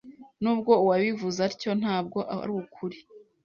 Nubwo uwabivuze atyo, ntabwo arukuri.